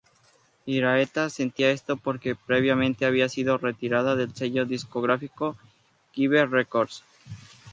Iraheta sentía esto por que previamente había sido retirada del sello discográfico Jive Records.